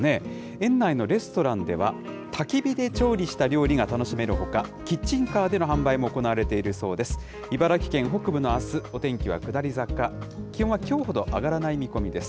園内のレストランでは、たき火で調理した料理が楽しめるほか、キッチンカーでの販売も行われているそうです。